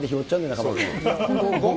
中丸君。